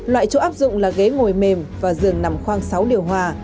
loại chỗ áp dụng là ghế ngồi mềm và giường nằm khoang sáu điều hòa